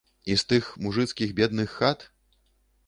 І з тых мужыцкіх бедных хат?